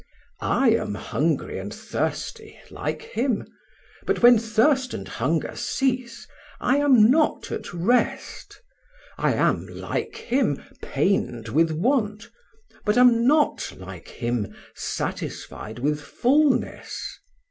I am hungry and thirsty, like him, but when thirst and hunger cease, I am not at rest. I am, like him, pained with want, but am not, like him, satisfied with fulness.